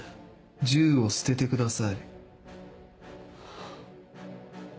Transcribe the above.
銃を捨ててください。